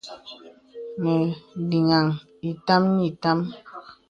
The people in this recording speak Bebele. Mə liŋhəŋ itām ni itām.